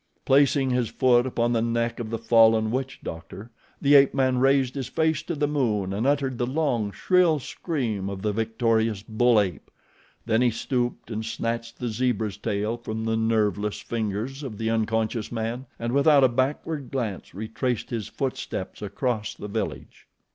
Placing his foot upon the neck of the fallen witch doctor, the ape man raised his face to the moon and uttered the long, shrill scream of the victorious bull ape. Then he stooped and snatched the zebra's tail from the nerveless fingers of the unconscious man and without a backward glance retraced his footsteps across the village.